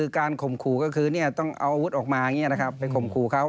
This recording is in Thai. ข่มขู่ก็คือต้องเอาอาวุธออกมาไปข่มขู่เขา